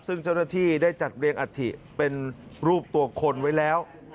ซึ่งเจ้าหน้าที่ได้จัดเรียงอัฐิเป็นรูปตัวคนไว้แล้ว